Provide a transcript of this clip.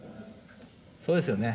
そうですよね。